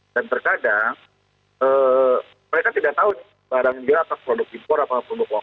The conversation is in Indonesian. dan terkadang mereka tidak tahu barangnya atas produk impor atau produk lokal